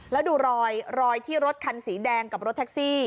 แล้วดูรอยรอยที่รถคันสีแดงกับรถแท็กซี่